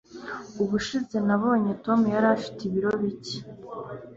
Ubushize nabonye Tom yari afite ibiro bike.